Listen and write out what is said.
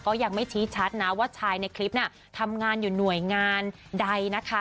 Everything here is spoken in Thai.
ก็ยังไม่ชี้ชัดนะว่าชายในคลิปน่ะทำงานอยู่หน่วยงานใดนะคะ